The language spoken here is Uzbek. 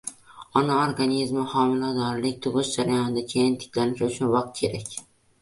Ona organizmi homiladorlik, tug‘ish jarayonidan keyin tiklanishi uchun vaqt kerak.